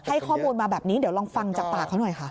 ให้ข้อมูลมาแบบนี้เดี๋ยวลองฟังจากปากเขาหน่อยค่ะ